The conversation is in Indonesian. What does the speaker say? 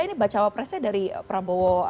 ini mbak cawa presnya dari prabowo